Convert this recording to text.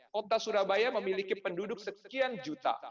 kota surabaya memiliki penduduk sekian juta